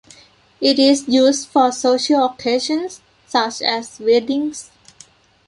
It is used for social occasions such as weddings.